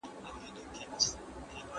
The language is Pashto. ماشومان د سکرین له ډېر کارولو اغېزمنېږي.